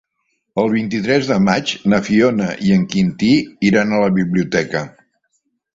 El vint-i-tres de maig na Fiona i en Quintí iran a la biblioteca.